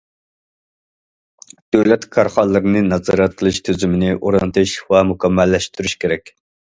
دۆلەت كارخانىلىرىنى نازارەت قىلىش تۈزۈمىنى ئورنىتىش ۋە مۇكەممەللەشتۈرۈش كېرەك.